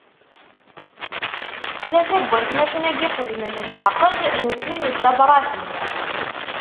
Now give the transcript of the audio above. Tlata n watmaten-agi xedmen leɛqed nutni d Dda Bṛahim.